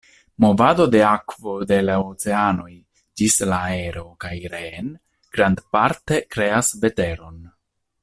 Movado de akvo de la oceanoj ĝis la aero kaj reen grandparte kreas veteron.